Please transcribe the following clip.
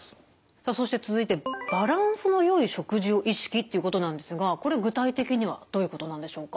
そして続いて「バランスの良い食事を意識」ということなんですがこれ具体的にはどういうことなんでしょうか？